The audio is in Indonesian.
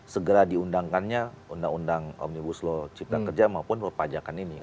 segera diundangkannya undang undang omnibus law cipta kerja maupun perpajakan ini